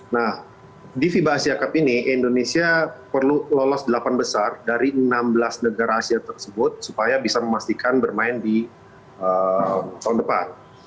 nah di fiba asia cup ini indonesia perlu lolos delapan besar dari enam belas negara asia tersebut supaya bisa memastikan bermain di tahun depan